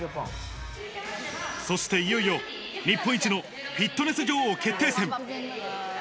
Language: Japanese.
そして、いよいよ日本一のフィットネス女王決定戦。